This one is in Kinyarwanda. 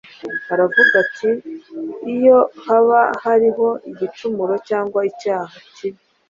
aravuga ati : “Iyo haba hariho igicumuro cyangwa icyaha kibi,